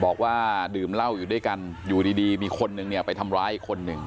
บอกว่าดื่มเหล้าอยู่ด้วยกันอยู่ดีมีคนนึงเนี่ยไปทำร้ายอีกคนหนึ่ง